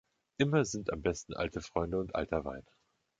Immer sind am besten alte Freunde und alter Wein.